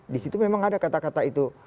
di situ memang ada kata kata itu